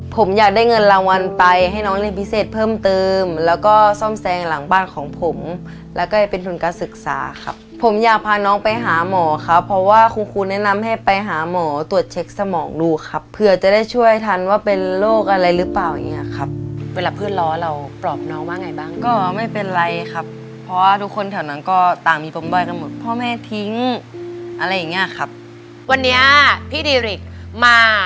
ผมอยากได้เงินรางวัลไปให้น้องเล่นพิเศษเพิ่มเติมแล้วก็ซ่อมแซงหลังบ้านของผมแล้วก็เป็นทุนการศึกษาครับผมอยากพาน้องไปหาหมอครับเพราะว่าคุณคุณแนะนำให้ไปหาหมอตรวจเช็คสมองดูครับเพื่อจะได้ช่วยทันว่าเป็นโรคอะไรหรือเปล่าอย่างนี้ครับเวลาเพื่อนรอเราปรอบน้องว่าไงบ้างก็ไม่เป็นไรครับเพราะว่าทุกคนแถว